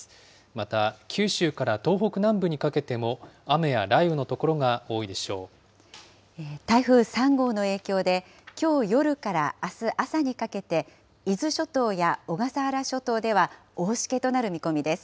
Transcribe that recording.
また九州から東北南部にかけても、台風３号の影響で、きょう夜からあす朝にかけて、伊豆諸島や小笠原諸島では大しけとなる見込みです。